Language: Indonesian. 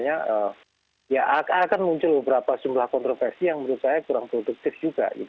ya akan muncul beberapa jumlah kontroversi yang menurut saya kurang produktif juga